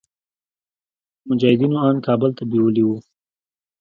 مجاهدينو ان کابل ته بيولي وو.